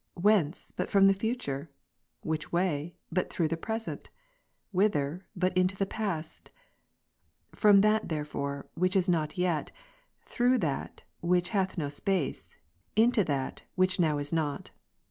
whence, but from the future ? Which way, but through the present ? whither, but into the past ? From that therefore, which is not yet, through that, which hath no space, into that, which now is not.